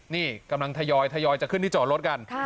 นี่กำลังทยอยจะขึ้นที่จอดรถกัน